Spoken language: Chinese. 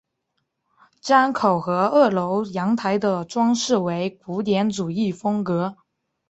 檐口和二楼阳台的装饰为古典主义风格。